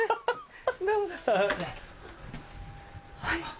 はい。